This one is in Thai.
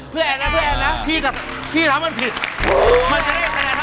เพื่อเอ็กซนะเพื่อเอ็กซ